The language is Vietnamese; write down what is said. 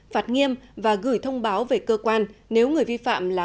phạt nghiêm và gửi thông báo về cơ quan nếu người vi phạm nồng độ cồn